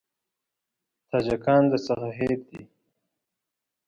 تاجکان درڅخه هېر دي.